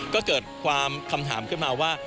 ก็เกิดความคำถามขึ้นมาว่า